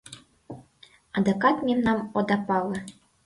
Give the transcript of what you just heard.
Адакат мемнам ода пале.